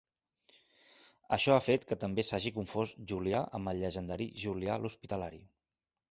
Això ha fet que també s'hagi confós Julià amb el llegendari Julià l'Hospitalari.